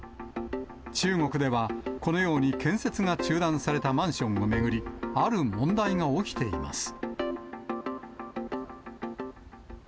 中国では、このように、建設が中断されたマンションを巡り、ある問題が起きています。